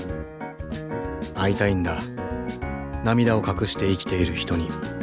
会いたいんだ涙を隠して生きている人に。